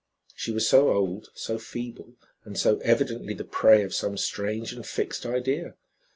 She was so old, so feeble and so, evidently the prey of some strange and fixed idea.